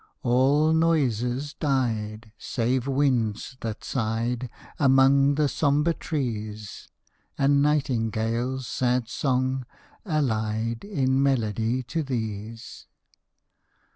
All noises died Save winds that sighed Among the sombre trees, And nightingale's sad song, allied In melody to these